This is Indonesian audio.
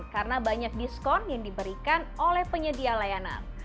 karena banyak diskon yang diberikan oleh penyedia layanan